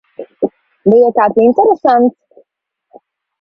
Bija kāds interesants?